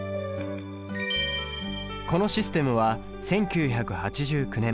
このシステムは１９８９年